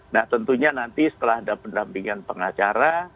nah tentunya nanti setelah ada pendampingan pengacara